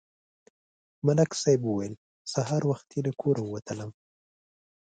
ملک صاحب وویل: سهار وختي له کوره ووتلم